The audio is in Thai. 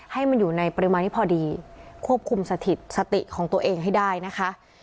ให้มันอยู่ในปริมาณที่พอดีควบคุมสถิตสติของตัวเองให้ได้นะคะ